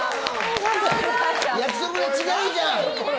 約束と違うじゃん。